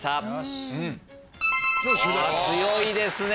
強いですね。